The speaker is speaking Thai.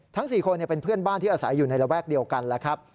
๔คนเป็นเพื่อนบ้านที่อาศัยอยู่ในระแวกเดียวกันแล้วครับ